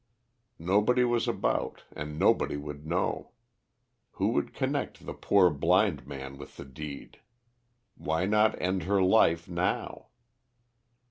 Nobody was about and nobody would know. Who could connect the poor blind man with the deed? Why not end her life now?